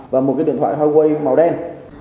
và một cái điện thoại huawei màu đen